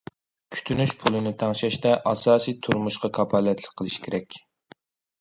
كۈتۈنۈش پۇلىنى تەڭشەشتە ئاساسىي تۇرمۇشقا كاپالەتلىك قىلىش كېرەك.